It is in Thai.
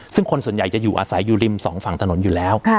ซึ่งคนส่วนใหญ่จะอยู่อาศัยอยู่ริมสองฝั่งถนนอยู่แล้ว